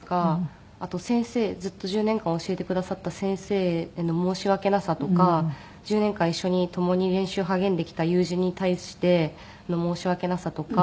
あと先生ずっと１０年間教えてくださった先生への申し訳なさとか１０年間一緒に共に練習励んできた友人に対しての申し訳なさとか。